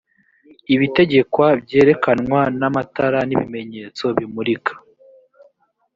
ibitegekwa byerekanwa n amatara n’ibimenyetso bimurika